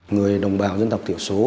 người đồng bào dân tộc tiểu số